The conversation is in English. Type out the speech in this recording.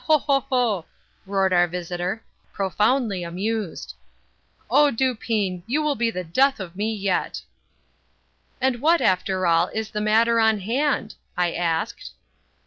—ho! ho! ho!" roared our visitor, profoundly amused, "oh, Dupin, you will be the death of me yet!" "And what, after all, is the matter on hand?" I asked.